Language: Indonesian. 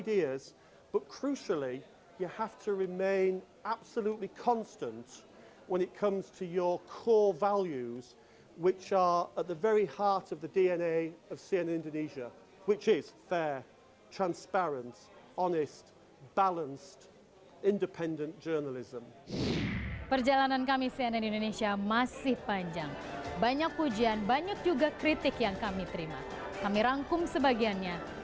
dan saya bisa melihat nilai utama dalam kualitas laporan dan program yang anda lakukan